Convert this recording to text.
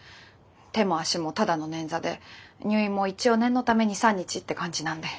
手も足もただの捻挫で入院も一応念のため２３日って感じなんで。